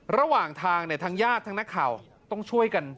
ระหว่างทางทั้งญาติทั้งนักข่าวต้องช่วยกัน